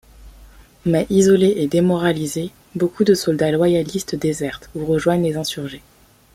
Mais isolés et démoralisés, beaucoup de soldats loyalistes désertent ou rejoignent les insurgés.